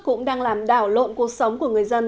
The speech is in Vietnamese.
cũng đang làm đảo lộn cuộc sống của người dân